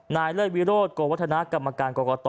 เลิศวิโรธโกวัฒนากรรมการกรกต